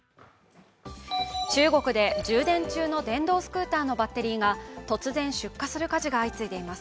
中国で充電中の電動スクーターのバッテリーが突然、出火する火事が相次いでいます。